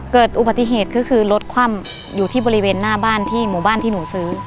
เกิดอุบัติเหตุก็คือรถคว่ำอยู่ที่บริเวณหน้าบ้านที่หมู่บ้านที่หนูซื้อ